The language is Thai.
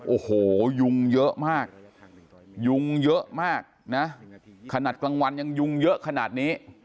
โอ้โหยุงเยอะมากยุงเยอะมากนะขนาดกลางวันยังยุงเยอะขนาดนี้